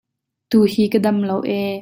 Tuhi ka dam lo ee.